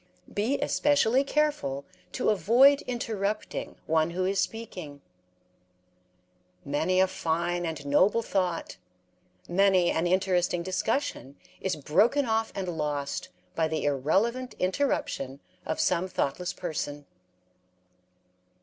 Be especially careful to avoid interrupting one who is speaking. Many a fine and noble thought, many an interesting discussion, is broken off and lost by the irrelevant interruption of some thoughtless person.